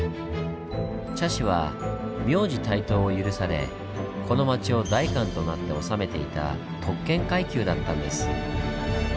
茶師は名字帯刀を許されこの町を代官となって治めていた特権階級だったんです。